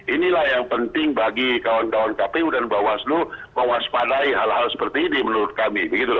inilah yang penting bagi kawan kawan kpu dan bawaslu mewaspadai hal hal seperti ini menurut kami